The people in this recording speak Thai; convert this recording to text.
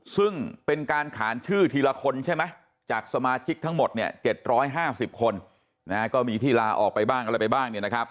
ซึ่งเป็นการขานชื่อทีละคนใช่ไหมจากสมาชิกทั้งหมด๗๕๐คนก็มีที่ลาออกไปบ้างอะไรไปบ้าง